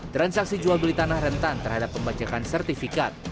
transaksi jual beli tanah rentan terhadap pembajakan sertifikat